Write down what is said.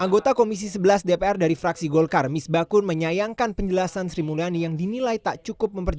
anggota komisi sebelas dpr dari fraksi golkar mis bakun menyayangkan penjelasan sri mulani yang dinilai tak cukup mempercayai